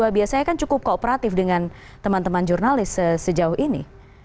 biasanya kan cukup kooperatif dengan teman teman jurnalis sejauh ini